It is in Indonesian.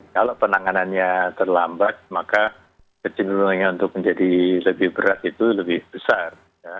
kalau penanganannya terlambat maka kecenderungannya untuk menjadi lebih berat itu lebih besar